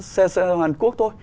cũng như xe hàn quốc thôi